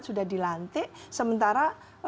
sudah dilantik sementara